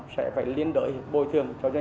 sẽ phải lựa chọn